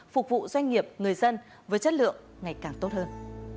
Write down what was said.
phục vụ doanh nghiệp người dân với chất lượng ngày càng tốt hơn